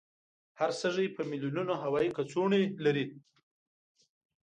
هر سږی په میلونونو هوایي کڅوړې لري.